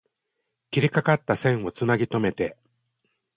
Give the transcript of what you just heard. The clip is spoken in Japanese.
切れかかった線を繋ぎとめて